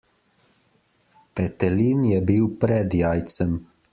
Petelin je bil pred jajcem.